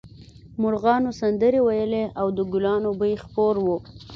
مرغانو سندرې ویلې او د ګلانو بوی خپور و